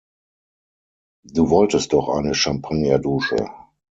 Du wolltest doch eine Champagner-Dusche.